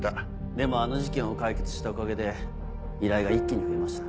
でもあの事件を解決したおかげで依頼が一気に増えました。